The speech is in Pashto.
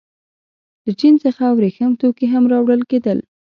له چین څخه ورېښم توکي هم راوړل کېدل.